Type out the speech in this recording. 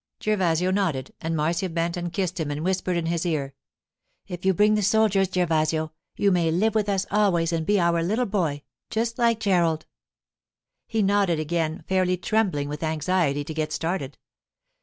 _' Gervasio nodded, and Marcia bent and kissed him and whispered in his ear, 'If you bring the soldiers, Gervasio, you may live with us always and be our little boy, just like Gerald.' He nodded again, fairly trembling with anxiety to get started.